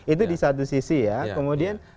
itu di satu sisi ya kemudian